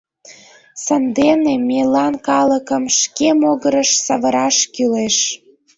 Сандене мейлан калыкым шке могырыш савыраш кӱлеш.